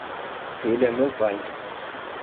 Ele é meu pai